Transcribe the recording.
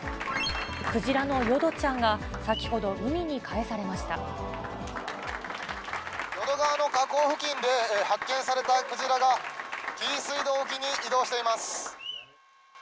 クジラの淀ちゃんが、先ほど、淀川の河口付近で発見されたクジラが、紀伊水道沖に移動しています。